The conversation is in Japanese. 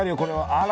あら。